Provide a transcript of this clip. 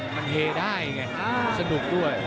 มันเฮได้ไงสนุกด้วย